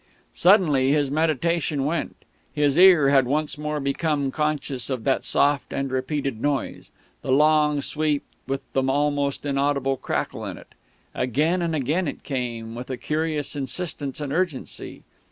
Suddenly his meditation went. His ear had once more become conscious of that soft and repeated noise the long sweep with the almost inaudible crackle in it. Again and again it came, with a curious insistence and urgency.